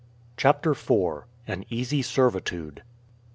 CHAPTER IV. AN EASY SERVITUDE.